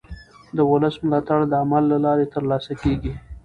د ولس ملاتړ د عمل له لارې ترلاسه کېږي